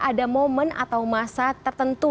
ada momen atau masa tertentu